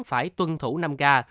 phải tuân thủ năm ca